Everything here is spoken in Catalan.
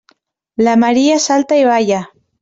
La Maria salta i balla.